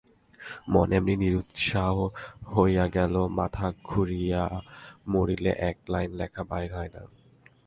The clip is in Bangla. মন এমনি নিরুৎসাহ হইয়া গেল মাথা খুঁড়িয়া মরিলে এক লাইন লেখা বাহির হয় না।